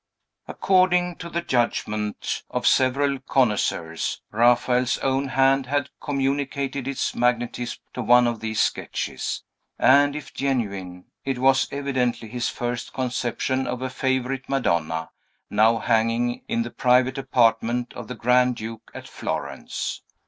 According to the judgment of several connoisseurs, Raphael's own hand had communicated its magnetism to one of these sketches; and, if genuine, it was evidently his first conception of a favorite Madonna, now hanging in the private apartment of the Grand Duke, at Florence.